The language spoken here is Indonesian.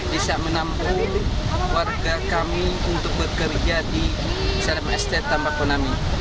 bisa menampung warga kami untuk bekerja di stream estate tambah konami